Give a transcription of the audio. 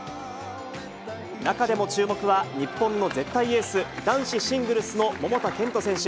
中でも注目は、日本の絶対エース、男子シングルスの桃田賢斗選手。